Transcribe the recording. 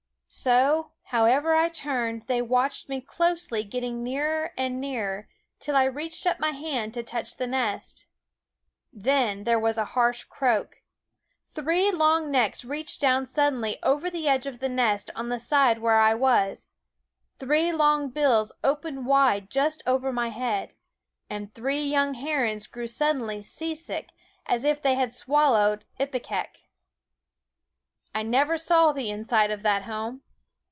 So, however I turned, THE WOODS 9 they watched me closely getting nearer and nearer, till I reached up my hand to touch ^.,,, i Quoskh ffie the nest. Ihen there was a harsh croak. *^Keen Eyed Three long necks reached down suddenly over the edge of the nest on the side where I was ; three long bills opened wide just over my head ; and three young herons grew suddenly seasick, as if they had swallowed ipecac. I never saw the inside of that home.